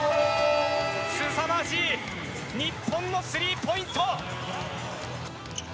すさまじい、日本のスリーポイント。